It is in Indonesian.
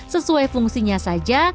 sesuai fungsinya saja